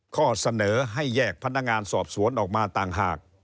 ข้อเสนอให้แยกพนักงานสอบสวนออกมาต่างหาก